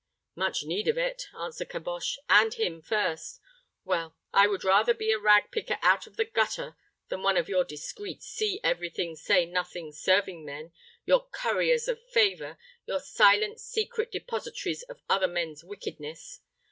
"Much need of it," answered Caboche, "and him first. Well, I would rather be a rag picker out of the gutter than one of your discreet, see every thing, say nothing serving men your curriers of favor, your silent, secret depositories of other men's wickedness.